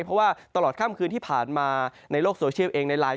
เพราะว่าตลอดค่ำคืนที่ผ่านมาในโลกโซเชียลเองในไลน